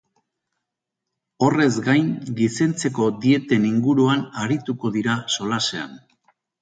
Horrez gain, gizentzeko dieten inguruan arituko dira solasean.